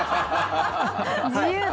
自由だ。